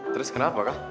terus kenapa kah